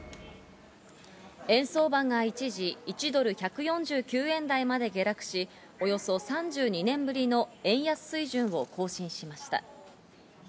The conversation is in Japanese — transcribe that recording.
円相場が一時、１ドル＝１４９円台まで下落し、およそ３２年ぶりの円安水準を更新しました。